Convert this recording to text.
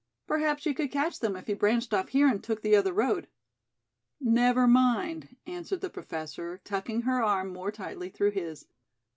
Perhaps you could catch them, if you branched off here and took the other road." "Never mind," answered the Professor, tucking her arm more tightly through his. "Dr.